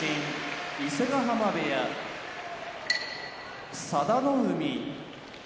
伊勢ヶ濱部屋佐田の海